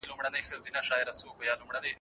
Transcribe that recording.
ولې افغان سوداګر طبي درمل له ازبکستان څخه واردوي؟